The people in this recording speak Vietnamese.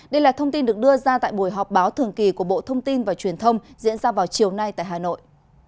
đây là thông tin được đưa ra tại buổi họp báo thường kỳ của bộ thông tin và truyền thông diễn ra vào chiều nay tại hà nội